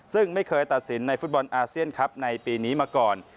ซึ่งไม่เคยตัดสินในฟุตบอลอาเซียนครับในปีนี้มาก่อน